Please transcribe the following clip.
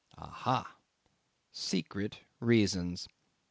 Aha! secret reasons.